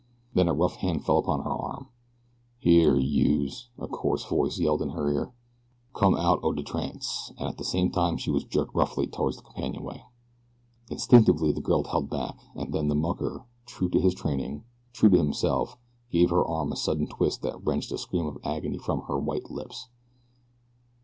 Then a rough hand fell upon her arm. "Here, youse," a coarse voice yelled in her ear. "Come out o' de trance," and at the same time she was jerked roughly toward the companionway. Instinctively the girl held back, and then the mucker, true to his training, true to himself, gave her arm a sudden twist that wrenched a scream of agony from her white lips.